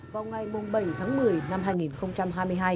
vào ngày bảy tháng một mươi năm hai nghìn hai mươi hai